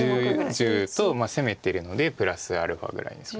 １０と攻めてるのでプラスアルファぐらいですか。